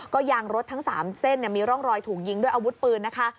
ก็ยางรถทั้ง๓เส้นมีร่องรอยถูกยิงด้วยอาวุธปืนนะคะ